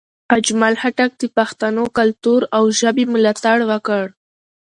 اجمل خټک د پښتنو کلتور او ژبې ملاتړ وکړ.